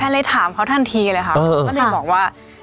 แพลอะไรถามเขาทันทีเลยครับก็ได้บอกว่า